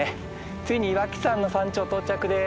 ついに岩木山の山頂到着です。